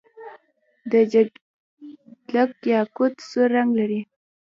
د جګدلک یاقوت سور رنګ لري.